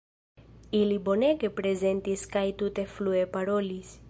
Ili bonege prezentis kaj tute flue parolis.